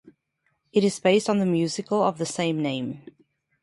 It is based on the musical of the same name.